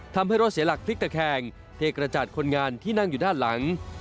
ทำให้รถเสียหลักพลิกตะแคงเทกระจาดคนงานที่นั่งอยู่ด้านหลัง